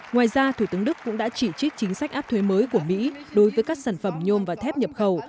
ngoài ra thủ tướng đức cũng đã chỉ trích chính sách áp thuế mới của mỹ đối với các sản phẩm nhôm và thép nhập khẩu